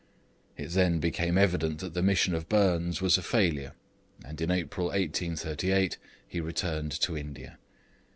It then became evident that the mission of Burnes was a failure, and in April 1838 he returned to India.